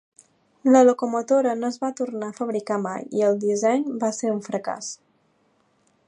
La locomotora no es va tornar a fabricar mai i el disseny va ser un fracàs.